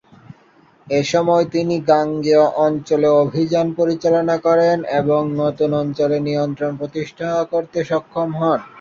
এসময় তিনি গাঙ্গেয় অঞ্চলে অভিযান পরিচালনা করেন এবং নতুন অঞ্চলে নিয়ন্ত্রণ প্রতিষ্ঠা করতে সক্ষম হন।